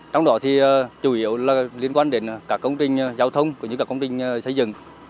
trong đó thì chủ yếu liên quan đến các công trình giao thông các công trình xây dựng